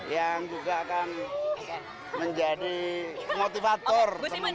yang juga akan menjadi motivator